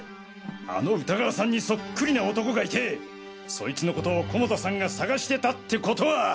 あの歌川さんにそっくりな男がいてそいつのことを菰田さんが探してたってことは。